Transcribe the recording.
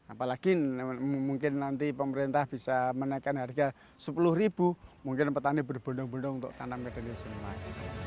apalagi mungkin nanti pemerintah bisa menaikkan harga rp sepuluh mungkin petani berbendung bendung untuk tanam ke dalam sinuman